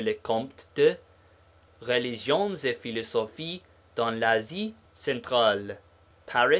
LE COMTE DE. Religions et Philosophies dans l'Asie Centrale. Paris.